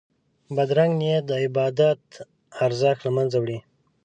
بدرنګه نیت د عبادت ارزښت له منځه وړي